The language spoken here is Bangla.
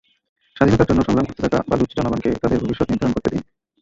স্বাধীনতার জন্য সংগ্রাম করতে থাকা বালুচ জনগণকে তাঁদের ভবিষ্যৎ নির্ধারণ করতে দিন।